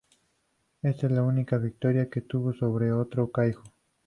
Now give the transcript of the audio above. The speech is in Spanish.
Ésta es la única victoria que tuvo sobre otro kaiju.